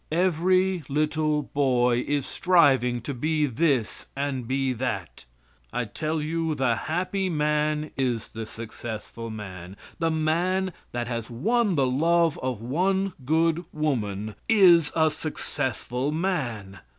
Every little boy is striving to be this and be that. I tell you the happy man is the successful man. The man that has won the love of one good woman is a successful man.